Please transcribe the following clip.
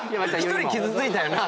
１人傷ついたよな。